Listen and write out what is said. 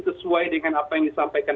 sesuai dengan apa yang disampaikan